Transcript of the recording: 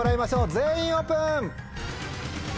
全員オープン！